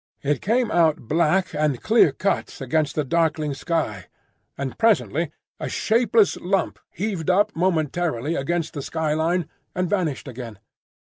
It came out black and clear cut against the darkling sky; and presently a shapeless lump heaved up momentarily against the sky line and vanished again.